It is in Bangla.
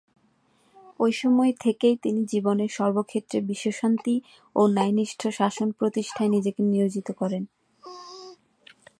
ওই সময় থেকেই তিনি জীবনের সর্বক্ষেত্রে বিশ্বশান্তি ও ন্যায়নিষ্ঠ শাসন প্রতিষ্ঠায় নিজেকে নিয়োজিত করেন।